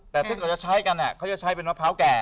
แต่ถึงเราจะใช้กันเนี่ยเขาจะใช้เป็นมะพร้าวแก่